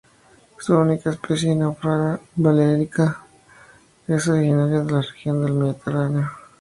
Su única especie: Naufraga balearica, es originaria de la región del Mediterráneo.